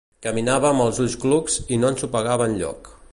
Caminava amb els ulls clucs i no ensopegava enlloc.